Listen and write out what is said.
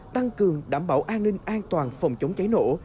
tăng cường đảm bảo an ninh an toàn phòng chống cháy nổ